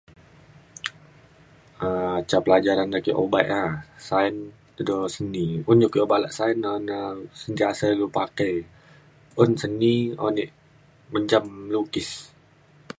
um ca pelajaran de ake obak ia’ Sain de Seni. un ja ke obak ala Sain na na sentiasa ilu pakai un Seni o di menjam lukis.